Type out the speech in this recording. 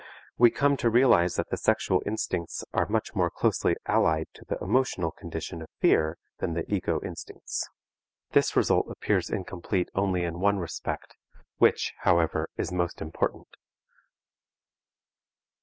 We come to realize that the sexual instincts are much more closely allied to the emotional condition of fear than the ego instincts. This result appears incomplete only in one respect, which, however, is most important.